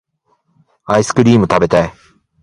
アイスクリームたべたい